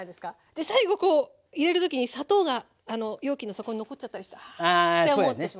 で最後こう入れる時に砂糖が容器の底に残っちゃったりしてあって思ってしまう。